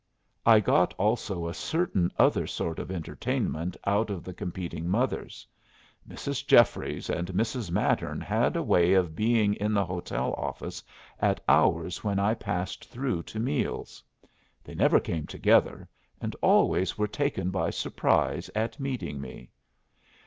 I got also a certain other sort of entertainment out of the competing mothers. Mrs. Jeffries and Mrs. Mattern had a way of being in the hotel office at hours when I passed through to meals. They never came together, and always were taken by surprise at meeting me.